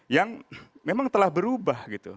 yang memang telah berubah